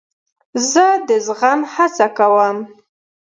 زه د زغم هڅه کوم.